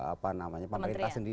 apa namanya pemerintah sendiri